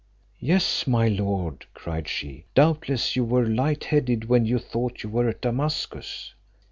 "Yes, my lord," cried she, "doubtless you were light headed when you thought you were at Damascus."